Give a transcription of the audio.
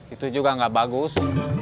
itu juga gak bagus